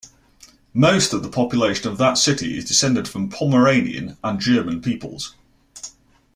Most of the population of that city is descended from Pomeranian and German peoples.